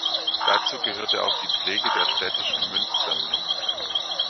Dazu gehörte auch die Pflege der städtischen Münzsammlung.